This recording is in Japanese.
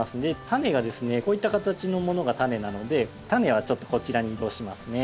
タネがですねこういった形のものがタネなのでタネはちょっとこちらに移動しますね。